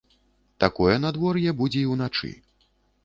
Такое надвор'е будзе і ўначы.